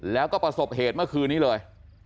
แล้วก็ประสบเหตุเมื่อคืนนี้เลย